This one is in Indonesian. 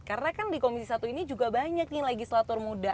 karena kan di komisi satu ini juga banyak nih legislatur muda